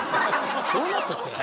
どうなっとってん。